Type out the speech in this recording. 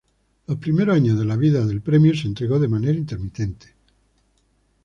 Los primeros años de vida del premio se entregó de manera intermitente.